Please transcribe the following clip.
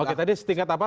oke tadi setingkat apa